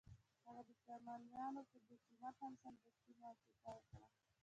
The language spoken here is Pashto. هغه د سامانونو په دې قیمت هم سمدستي موافقه وکړه